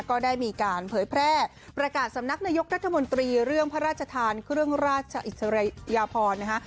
ก็ได้มีการเผยแพร่ประกาศสำนักนายกรัฐมนตรีเรื่องพระราชทานเครื่องราชอิสริยพรนะคะ